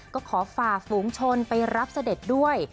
ก็ขอฝ่าฝูงชนไปรับเสด็จด้วย